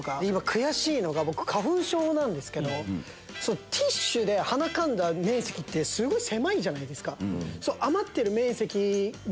悔しいのが僕花粉症なんですけどティッシュではなかんだ面積すごい狭いじゃないですか。